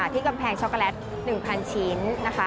ที่กำแพงช็อกโกแลต๑๐๐ชิ้นนะคะ